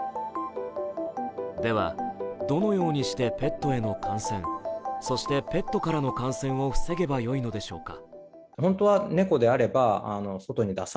では、どのようにしてペットへの感染、そしてペットからの感染を防げばいいのでしょうか。